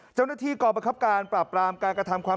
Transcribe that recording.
เจ้าหน้าที่กรประคับการปราบปรามการกระทำความ